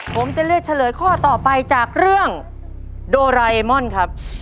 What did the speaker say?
ผมจะเลือกเฉลยข้อต่อไปจากเรื่องโดไรมอนครับ